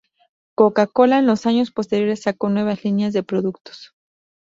Coca-Cola en los años posteriores sacó nuevas líneas de productos.